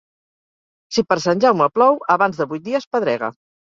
Si per Sant Jaume plou, abans de vuit dies pedrega.